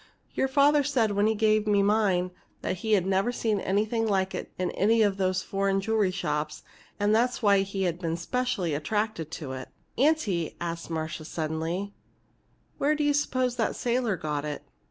Your father said, when he gave me mine, that he'd never seen anything like it in any of those foreign jewelry shops and that was why he'd been specially attracted to it." "Aunty," said Marcia, suddenly, "where do you suppose that sailor got it?"